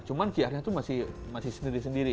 cuma qr nya itu masih sendiri sendiri